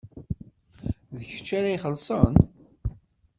D kečč ara ixellṣen?